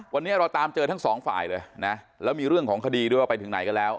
วันนี้เราตามเจอทั้งสองฝ่ายเลยนะแล้วมีเรื่องของคดีด้วยว่าไปถึงไหนก็แล้ว